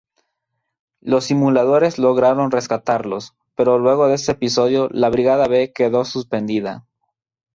Los simuladores lograron rescatarlos, pero luego de ese episodio la Brigada B quedó suspendida.